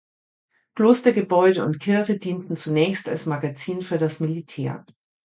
Klostergebäude und Kirche dienten zunächst als Magazin für das Militär.